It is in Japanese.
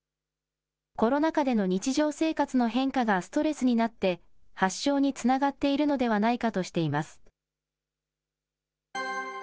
コロナ禍での日常生活の変化がストレスになって、発症につながっているのではないかとしています。